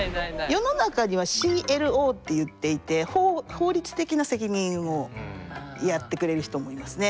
世の中にはＣＬＯっていっていて法律的な責任をやってくれる人もいますね。